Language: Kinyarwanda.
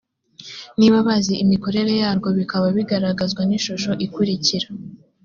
niba bazi imikorere yarwo bikaba bigaragazwa n ishusho ikurikira